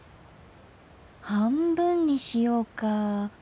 半分にしようか。